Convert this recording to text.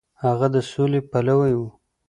هغه د سولې پلوی و.